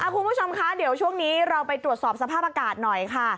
คุณผู้ชมคะเดี๋ยวช่วงนี้เราไปตรวจสอบสภาพอากาศหน่อยค่ะ